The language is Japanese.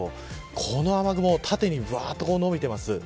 この雨雲、縦に伸びています。